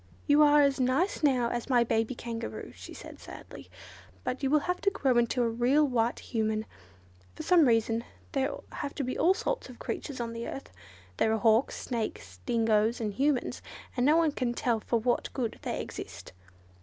"You are as nice now as my baby Kangaroo," she said sadly, "but you will have to grow into a real white Human. For some reason there have to be all sorts of creatures on the earth. There are hawks, snakes, dingoes and humans, and no one can tell for what good they exist.